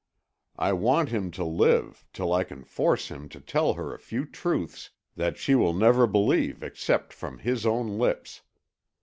I want him to live, till I can force him to tell her a few truths that she will never believe except from his own lips.